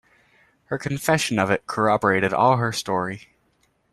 Her confession of it corroborated all her story.